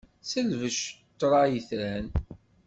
Selbec ṭṭṛa itran.